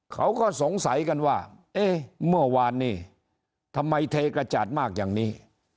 เขาก็สงสัยกันว่าเอ๊ะเมื่อวานนี้ทำไมเทกระจาดมากอย่างนี้